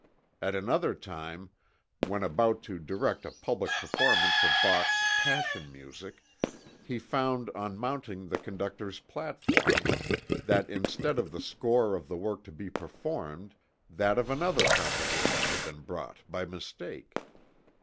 At another time, when about to direct a public performance of Bach's 'Passion Music,' he found on mounting the conductor's platform that instead of the score of the work to be performed, that of another composition had been brought by mistake.